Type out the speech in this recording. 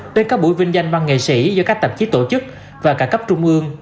tới các buổi vinh danh băng nghệ sĩ do các tạp chí tổ chức và cả cấp trung ương